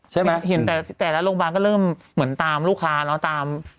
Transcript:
ใช่ไหมเห็นแต่ละโรงพยาบาลก็เริ่มเหมือนตามลูกค้าตาม